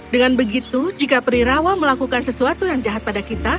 dengan begitu jika perirawa melakukan sesuatu yang jahat pada kita